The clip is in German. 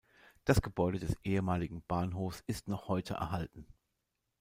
Das Gebäude des ehemaligen Bahnhofs ist noch heute erhalten.